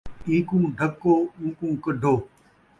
اینکوں ڈھکو، اونکوں کڈھو